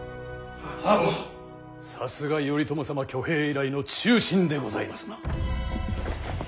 さすが頼朝様挙兵以来の忠臣でございますな。